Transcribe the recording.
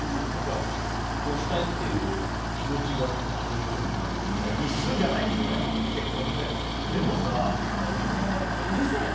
結婚したいっていう気持ちが日数じゃないんでしょうねうるせえな。